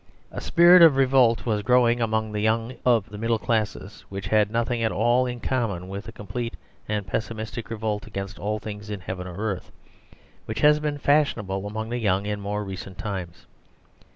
A spirit of revolt was growing among the young of the middle classes, which had nothing at all in common with the complete and pessimistic revolt against all things in heaven or earth, which has been fashionable among the young in more recent times.